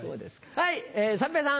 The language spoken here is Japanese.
はい。